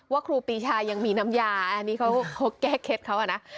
ครูปีชายังมีน้ำยาอันนี้เขาแก้เคล็ดเขาอ่ะนะ